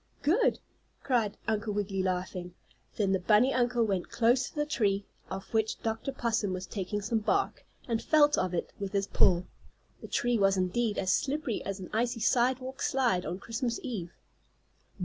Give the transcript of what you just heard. "Good!" cried Uncle Wiggily, laughing. Then the bunny uncle went close to the tree, off which Dr. Possum was taking some bark, and felt of it with his paw. The tree was indeed as slippery as an icy sidewalk slide on Christmas eve.